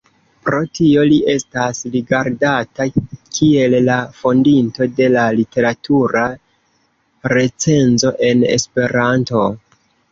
Pro tio li estas rigardata kiel la fondinto de la literatura recenzo en Esperanto.